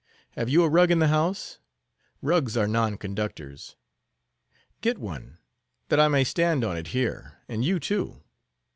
Have you a rug in the house? Rugs are non conductors. Get one, that I may stand on it here, and you, too.